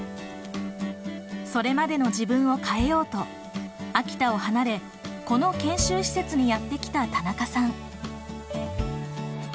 それまでの自分を変えようと秋田を離れこの研修施設にやって来た田中さん。